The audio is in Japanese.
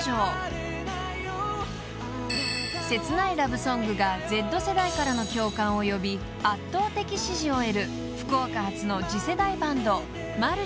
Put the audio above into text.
［切ないラブソングがＺ世代からの共感を呼び圧倒的支持を得る福岡発の次世代バンドマルシィ］